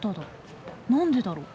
何でだろう？